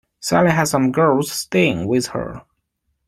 Sallie has some girls staying with her.